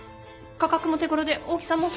価格も手ごろで大きさも。